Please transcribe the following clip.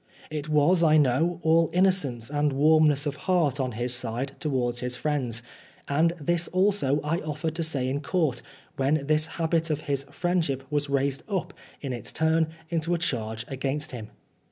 It was, I know, all innocence and warmness of heart on his side towards his friends, and this also I offered to say in Court when this habit of his friendship was raised up, in its turn, into a charge against him.